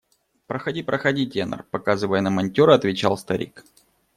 – Проходи, проходи, тенор, – показывая на монтера, отвечал старик.